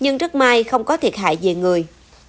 nhưng rất may không có thiệt hại về người